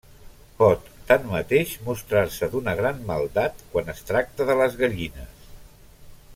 Pot tanmateix mostrar-se d'una gran maldat quan es tracta de les gallines.